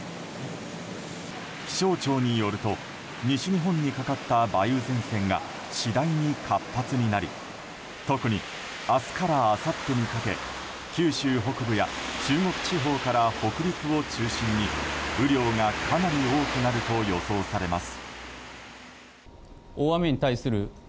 気象庁によると西日本にかかった梅雨前線が次第に活発になり特に明日からあさってにかけ九州北部や中国地方から北陸を中心に雨量がかなり多くなると予想されます。